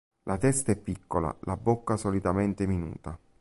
La testa è piccola, la bocca solitamente minuta.